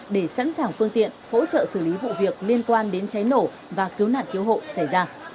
để sẵn sàng phương tiện hỗ trợ xử lý vụ việc liên quan đến cháy nổ và cứu nạn cứu hộ xảy ra